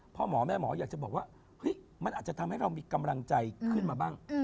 พ่อหมอแม่หมออยากจะบอกว่าเฮ้ยมันอาจจะทำให้เรามีกำลังใจขึ้นมาบ้าง